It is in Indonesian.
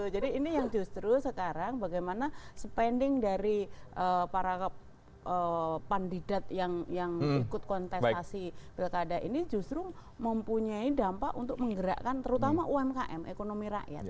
jadi ini yang justru sekarang bagaimana spending dari para pandidat yang ikut kontestasi pilkada ini justru mempunyai dampak untuk menggerakkan terutama umkm ekonomi rakyat